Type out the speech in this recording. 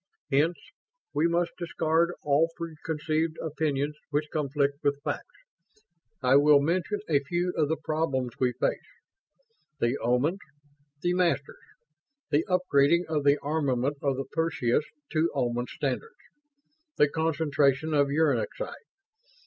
Hence, we must discard all preconceived opinions which conflict with facts. I will mention a few of the problems we face." "The Omans. The Masters. The upgrading of the armament of the Perseus to Oman standards. The concentration of uranexite.